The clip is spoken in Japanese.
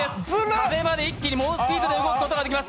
壁まで一気に猛スピードで動くことができます。